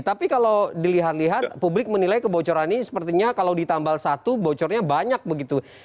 tapi kalau dilihat lihat publik menilai kebocoran ini sepertinya kalau ditambah satu bocornya banyak begitu